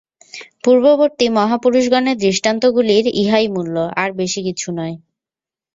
পূর্ববর্তী মহাপুরুষগণের দৃষ্টান্তগুলির ইহাই মূল্য, আর বেশী কিছু নয়।